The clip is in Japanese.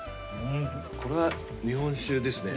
これは日本酒ですね。